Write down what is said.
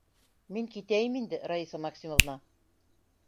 Мин китәйем инде, Раиса Максимовна.